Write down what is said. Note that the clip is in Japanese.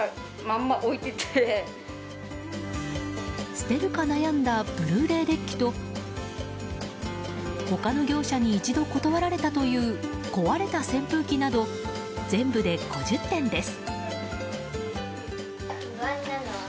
捨てるか悩んだブルーレイデッキと他の業者に一度断られたという壊れた扇風機など全部で５０点です。